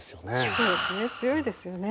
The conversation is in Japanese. そうですね強いですよね。